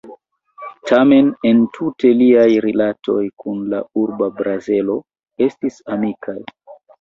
Tamen entute liaj rilatoj kun la urbo Bazelo estis amikaj.